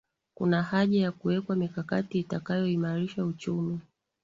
Kuna haja ya kuwekwa mikakati itakayoimarisha uchumi